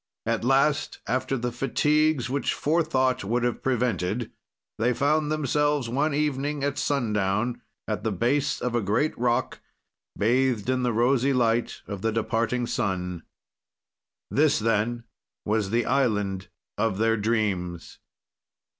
"At last, after the fatigues which forethought would have prevented, they found themselves one evening, at sundown, at the base of a great rock, bathed in the rosy light of the departing sun. "This, then, was the island of their dreams.